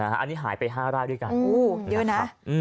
อันนี้หายไป๕รายด้วยกัน